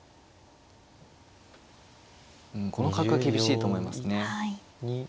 うんこの角は厳しいと思いますね。